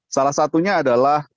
salah satunya adalah